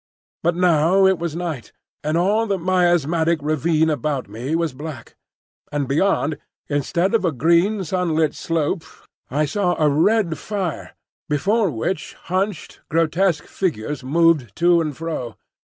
But now it was night, and all the miasmatic ravine about me was black; and beyond, instead of a green, sunlit slope, I saw a red fire, before which hunched, grotesque figures moved to and fro.